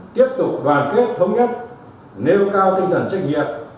tiếp tục đoàn kết thống nhất nêu cao tinh thần trách nhiệm